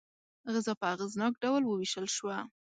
غذا په اغېزناک ډول وویشل شوه.